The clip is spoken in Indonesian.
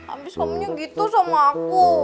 abis kamu nya gitu sama aku